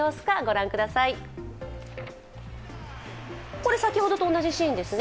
これ、先ほどと同じシーンですね